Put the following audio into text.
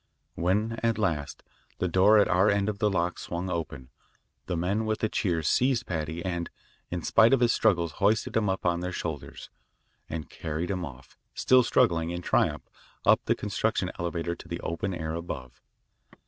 When, at last, the door at our end of the lock swung open, the men with a cheer seized Paddy and, in spite of his struggles, hoisted him on to their shoulders, and carried him off, still struggling, in triumph up the construction elevator to the open air above.